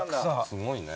すごいね。